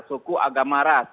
suku agama ras